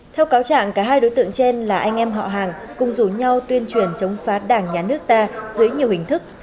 theo cáo trạng cả hai đối tượng trên là anh em họ hàng cùng rủ nhau tuyên truyền chống phá đảng nhà nước ta dưới nhiều hình thức